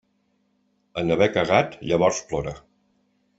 En haver cagat, llavors plora.